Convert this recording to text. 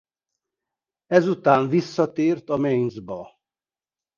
Ezután visszatért a Mainzba.